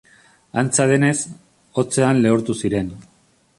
Antza denez, hotzean lehortu ziren.